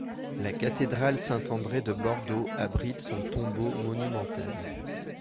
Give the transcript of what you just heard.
La Cathédrale Saint-André de Bordeaux abrite son tombeau monumental.